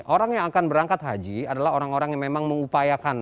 orang yang akan berangkat haji adalah orang orang yang memang mengupayakan